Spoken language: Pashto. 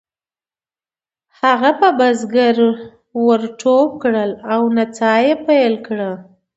هغه په بزګر ور ټوپ کړل او نڅا یې پیل کړه.